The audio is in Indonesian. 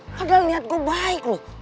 padahal niat gue baik loh